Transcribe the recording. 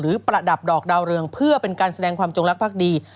ประดับดอกดาวเรืองเพื่อเป็นการแสดงความจงรักภักดี